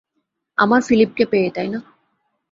আমার ফিলিপকে পেয়ে, তাইনা?